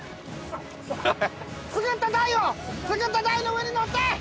作った台を作った台の上に乗って！